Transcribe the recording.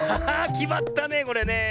きまったねこれねえ。